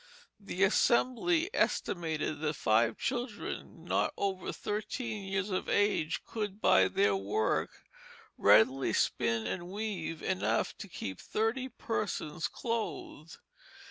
The Assembly estimated that five children not over thirteen years of age could by their work readily spin and weave enough to keep thirty persons clothed.